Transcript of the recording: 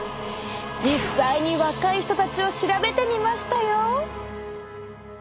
実際に若い人たちを調べてみましたよ。